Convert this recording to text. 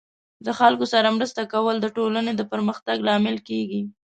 د خلکو سره مرسته کول د ټولنې د پرمختګ لامل کیږي.